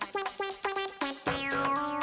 bapak lihat tahun